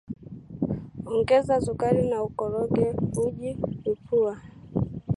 Ongeza sukari na ukoroge uji epua